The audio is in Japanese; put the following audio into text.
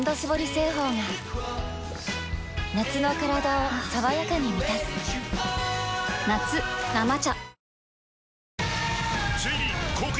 製法が夏のカラダを爽やかに満たす夏「生茶」